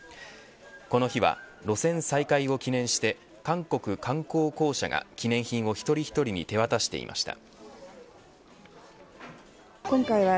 この日は、路線再開を記念して韓国観光公社が記念品を一人一人に手渡していました。